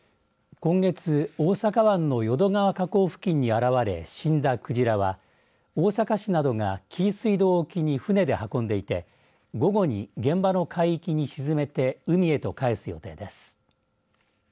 今月、大阪湾の淀川河口付近に現れ、死んだ鯨は大阪市などが紀伊水道沖に船で運んでいて午後に現場の海域に沈めて海へとかえす予定です。